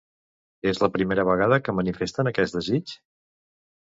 És la primera vegada que manifesten aquest desig?